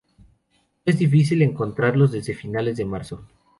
No es difícil encontrarlos desde finales de marzo.